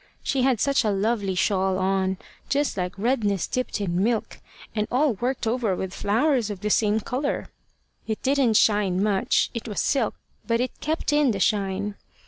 She had such a lovely shawl on, just like redness dipped in milk, and all worked over with flowers of the same colour. It didn't shine much, it was silk, but it kept in the shine.